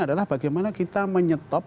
adalah bagaimana kita menyetop